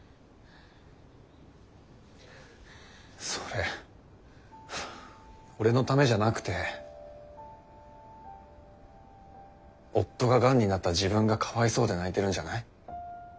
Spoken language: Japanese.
それ俺のためじゃなくて夫ががんになった自分がかわいそうで泣いてるんじゃない？